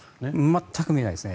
全く見えないです。